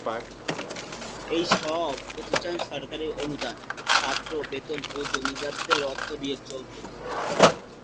এ সব প্রতিষ্ঠান সরকারী অনুদান, ছাত্র বেতন ও জমিদারদের অর্থ দিয়ে চলত।